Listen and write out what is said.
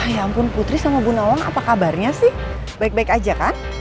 ya ampun putri sama bu nawang apa kabarnya sih baik baik aja kan